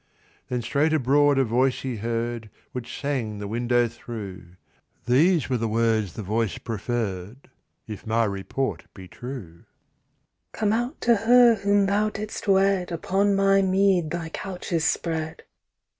Then straight abroad a voice he heard, Which sang the window through; These were the words the voice proffer'd If my report be true: "Come out to her whom thou didst wed! Upon my mead thy couch is spread."